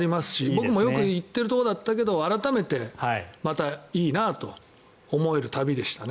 僕もよく行っているところだったけど改めてまたいいなと思える旅でした。